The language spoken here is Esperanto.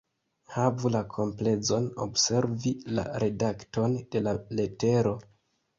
Havu la komplezon observi la redakton de la letero.